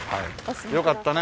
よかったね。